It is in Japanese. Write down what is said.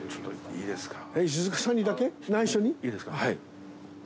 いいですか？